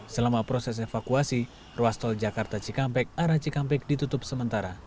selama proses evakuasi ruas tol jakarta cikampek arah cikampek ditutup sementara